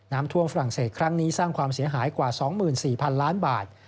น้ำท่วมฝรั่งเศสครั้งนี้สร้างความเสียหายกว่า๒๔๐๐๐ล้านบาท